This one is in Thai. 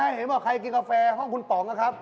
เห็นบอกใครกินกาแฟห้องคุณป๋องนะครับ